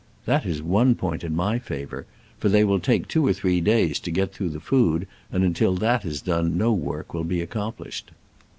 That is one point in my favor, for they will take two or three days to get through the food, and until that is done no work will be ac complished."